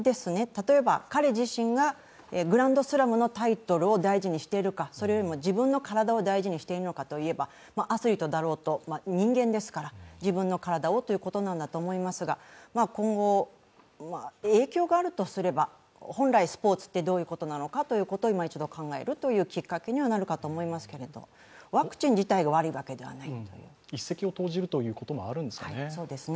例えば彼自身がグランドスラムのタイトルを大事にしているか、それよりも自分の体を大事にしているかといえばアスリートだろうと人間ですから、自分の体をということなんだと思いますが、今後、影響があるとすれば本来スポーツってどういうことなのかということをいま一度考えるきっかけにはなるかと思いますけれども、ワクチン自体が悪いわけではない。